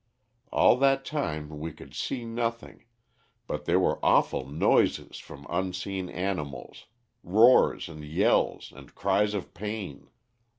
All that time we could see nothing, but there were awful noises from unseen animals, roars and yells and cries of pain.